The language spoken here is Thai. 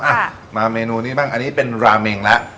อ่ะมาเมนูนี้บ้างอันนี้เป็นราเมงแล้ว